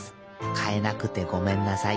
かえなくてごめんなさい。